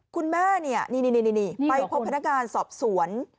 คุณแม่นี่ไปพบพนักงานสอบสวน